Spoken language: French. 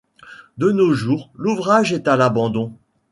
De nos jours l'ouvrage est à l'abandon.